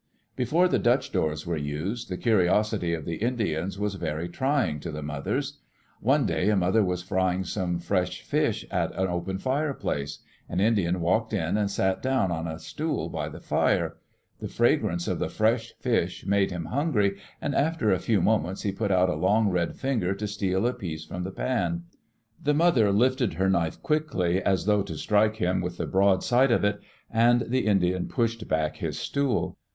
Before the Dutch doors were used, the curiosity of the Indians was very trying to the mothers. One day a mother was frying some fresh fish at the open fireplace. An Indian walked in and sat down on a stool by the fire. The fragrance of the fresh fish made him hungry, and after a few moments he put out a long, red finger to steal a piece from the pan. The mother lifted her knife quickly, as though to strike him with the broad side of it, and the Indian pushed back his stool.